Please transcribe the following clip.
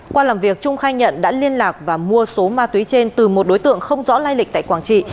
qua làm việc trung khai nhận đã liên lạc và mua số ma túy trên từ một đối tượng không rõ lai lịch tại quảng trị